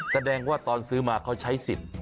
แสดงว่าตอนซื้อมาเขาใช้สิทธิ์